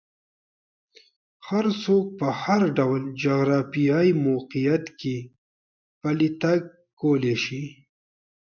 هر څوک په هر ډول جغرافیایي موقعیت کې پلی تګ کولی شي.